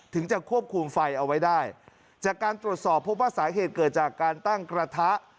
จะควบคุมไฟเอาไว้ได้จากการตรวจสอบพบว่าสาเหตุเกิดจากการตั้งกระทะ